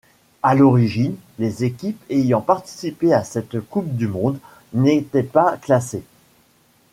À l'origine, les équipes ayant participé à cette Coupe du monde n'étaient pas classées.